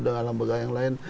dengan lembaga yang lain